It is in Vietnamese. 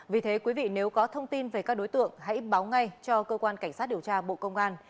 vì thế quý vị nếu có thông tin về các đối tượng hãy báo ngay cho cơ quan cảnh sát điều tra bộ công an